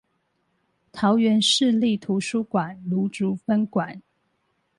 桃園市立圖書館蘆竹分館